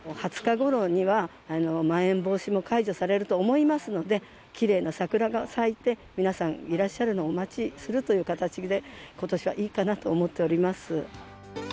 ２０日頃にはまん延防止も解除されると思いますので、きれいな桜が咲いて、皆さんがいらっしゃるのをお待ちするという形で今年はいいかなと思っております。